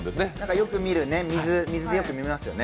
よく水でよく見ますよね。